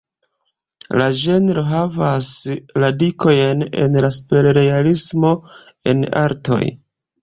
La ĝenro havas radikojn en superrealismo en artoj.